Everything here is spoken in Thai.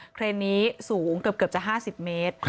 เครนนี้สูงเกือบจะ๕๐เมตร